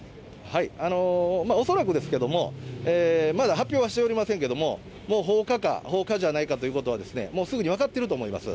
恐らくですけども、まだ発表はしておりませんけれども、もう放火か、放火じゃないかということはもうすでに分かってると思います。